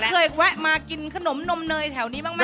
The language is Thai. เคยแวะมากินขนมนมเนยแถวนี้บ้างไหม